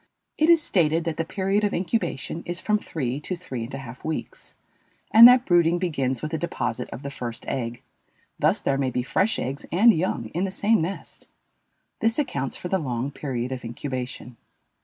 It is stated that the period of incubation is from three to three and a half weeks, and that brooding begins with the deposit of the first egg; thus there may be fresh eggs and young in the same nest. This accounts for the long period of incubation.